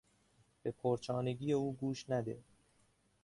به پرچانگی او گوش نده.